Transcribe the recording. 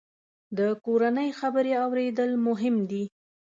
د کورنۍ خبرې اورېدل مهم دي.